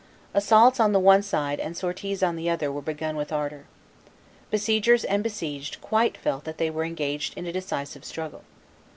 Assaults on the one side and sorties on the other were begun with ardor. Besiegers and besieged quite felt that they were engaged in a decisive struggle.